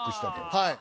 はい。